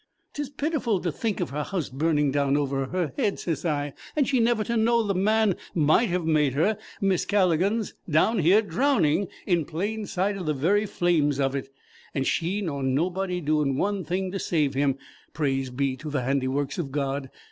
''T is pitiful to think of her house burning down over her head,' sez I, 'and she never to know the man might have made her Mis' Calligan's down here drowning in plain sight of the very flames of it, and she nor nobody doing one thing to save him, praise be to the handiworks of God.